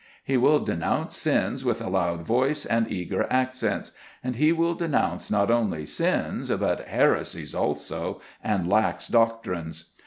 He will denounce sins with a loud voice and eager accents. And he will denounce not only sins, but heresies also, and lax doctrines.